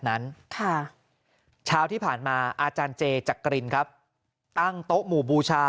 นั้นค่ะเช้าที่ผ่านมาอาจารย์เจจักรินครับตั้งโต๊ะหมู่บูชา